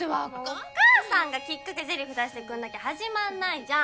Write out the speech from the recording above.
もうお母さんがきっかけ台詞出してくんなきゃ始まんないじゃん。